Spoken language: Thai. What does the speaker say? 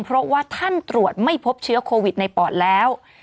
เพราะว่าท่านตรวจไม่พบเชื้อโควิดในปอดแล้ว